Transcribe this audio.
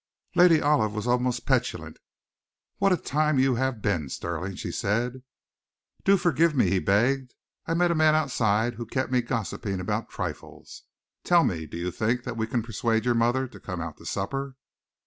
Lady Olive was almost petulant. "What a time you have been, Stirling!" she said. "Do forgive me," he begged. "I met a man outside who kept me gossiping about trifles. Tell me, do you think that we can persuade your mother to come out to supper?"